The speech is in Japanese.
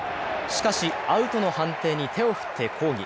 しかしアウトの判定に手を振って抗議。